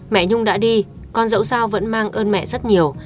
mẹ nhung đã đi con dẫu sao vẫn mang ơn mẹ rất nhiều